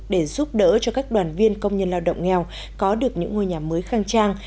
để giúp đỡ cho các đoàn viên công nhân lao động nghèo có được những ngôi nhà mới khang trang